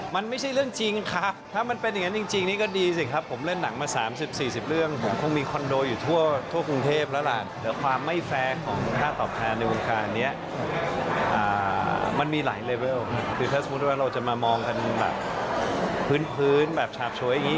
มันมีหลายเลเวลคือถ้าสมมุติว่าเราจะมามองกันแบบพื้นแบบชาบโชยอย่างนี้